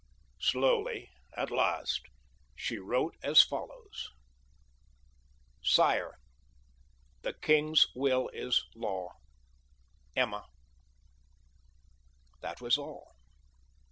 Slowly, at last, she wrote as follows: SIRE: The king's will is law. EMMA. That was all.